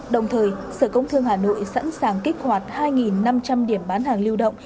đồng thời sở công thương hà nội sẵn sàng kích hoạt hai năm trăm linh điểm bán hàng lưu động